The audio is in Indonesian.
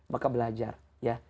maka belajar ya